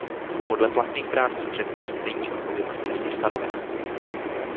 Podle platných právních předpisů není odpovědnost jasně stanovena.